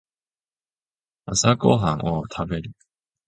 朝ごはんを食べる